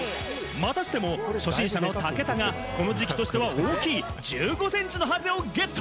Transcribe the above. またしても初心者の武田が、この時期としては大きい１５センチのハゼをゲット！